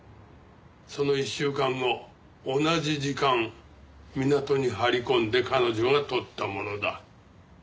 その１週間後同じ時間港に張り込んで彼女が撮ったものだ。